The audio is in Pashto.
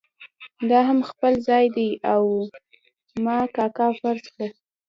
دا هم خپل ځای دی او ما کاکا فرض کړه.